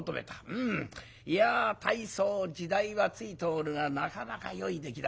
うんいや大層時代はついておるがなかなかよい出来だ。